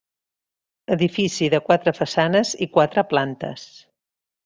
Edifici de quatre façanes i quatre plantes.